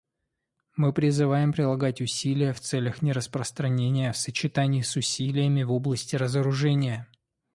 Мы призываем прилагать усилия в целях нераспространения в сочетании с усилиями в области разоружения.